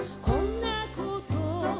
「こんなこと」